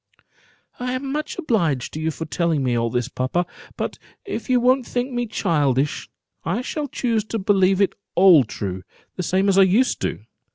"I am much obliged to you for telling me all this, papa; but if you won't think me childish, I shall choose to believe it all true, the same as I used to do.